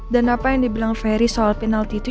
dan apa yang dibilang ferry soal penalti itu